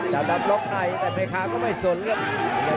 ดาบดำร็อกในและเมฆาก็ไม่สนครับ